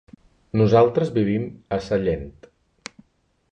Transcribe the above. Nosaltres vivim a Sellent.